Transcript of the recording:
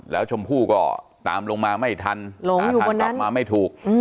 แล้วชมพู่ก็ตามลงมาไม่ทันหลงอยู่บนนั้นตามลงมาไม่ถูกอืม